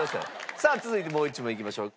さあ続いてもう一問いきましょう。